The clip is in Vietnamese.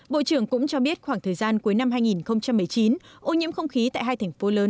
bộ trưởng cũng cho biết khoảng thời gian cuối năm hai nghìn một mươi chín ô nhiễm không khí tại hai thành phố lớn